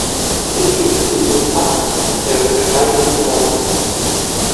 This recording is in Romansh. Il liug dil malfatg era puspei bandunaus.